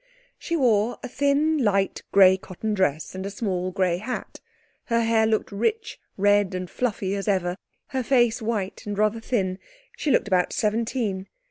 She wore a thin light grey cotton dress, and a small grey hat; her hair looked rich, red, and fluffy as ever; her face white and rather thin. She looked about seventeen.